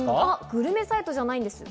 グルメサイトじゃないんです。